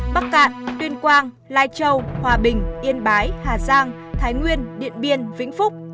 bắc cạn tuyên quang lai châu hòa bình yên bái hà giang thái nguyên điện biên vĩnh phúc